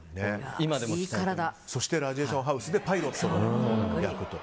そして「ラジエーションハウス」でパイロット役と。